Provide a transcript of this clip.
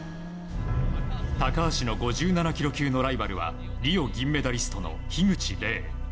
高橋の５７ｋｇ級のライバルはリオ銀メダリストの樋口黎。